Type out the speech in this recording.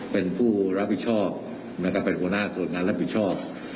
เป็นผู้รับผิดชอบนะครับเป็นหัวหน้าส่วนงานรับผิดชอบ